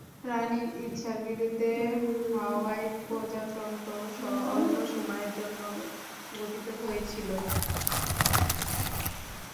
রানীর ইচ্ছার বিরুদ্ধে হাওয়াই প্রজাতন্ত্র অল্প সময়ের জন্য গঠিত হয়েছিল।